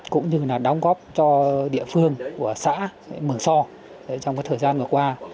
cũng như là đóng góp cho địa phương của xã mường so trong thời gian vừa qua